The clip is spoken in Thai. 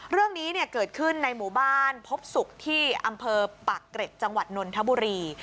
เรื่องนี้เกิดขึ้นในหมู่บ้านพบศุกร์ที่อำเภอปากเกร็ดจังหวัดนนทบุรี